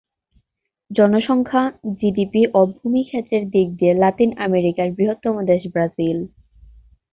জনসংখ্যা, জিডিপি ও ভূমি ক্ষেত্রের দিক দিয়ে লাতিন আমেরিকার বৃহত্তম দেশ ব্রাজিল।